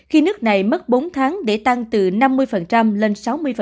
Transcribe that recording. khi nước này mất bốn tháng để tăng từ năm mươi lên sáu mươi